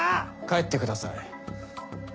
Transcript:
帰ってください。